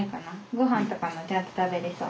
ごはんとかもちゃんと食べれそう？